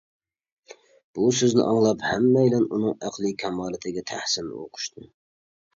بۇ سۆزنى ئاڭلاپ، ھەممەيلەن ئۇنىڭ ئەقلى كامالىتىگە تەھسىن ئوقۇشتى.